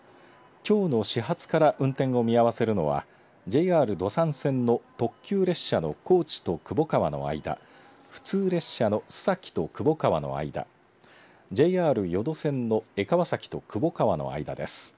きょうの始発から運転を見合わせるのはＪＲ土讃線の特急列車の高知と窪川の間普通列車の須崎と窪川の間ＪＲ予土線の江川崎と窪川の間です。